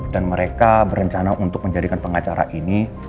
dan mereka berencana untuk menjadikan pengacara ini